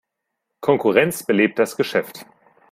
Konkurrenz belebt das Geschäft.